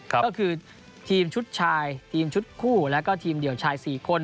ก็คือทีมชุดชายทีมชุดคู่แล้วก็ทีมเดี่ยวชาย๔คน